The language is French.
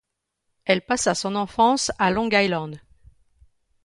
Elle passa son enfance à Long Island.